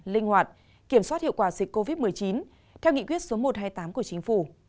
linh hoạt kiểm soát hiệu quả dịch covid một mươi chín theo nghị quyết số một trăm hai mươi tám của chính phủ